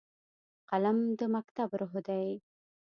قلم د مکتب روح دی